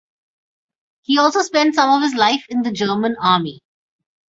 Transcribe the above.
He also spent some of his life in the German army.